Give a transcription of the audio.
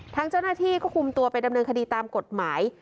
ทางเจ้าหน้าที่ก็คุมตัวไปดำเนินคดีตามกฎหมาย